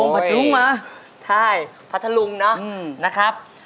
พัทธรุ้งนะ